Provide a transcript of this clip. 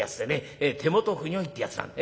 手元不如意ってやつなんで。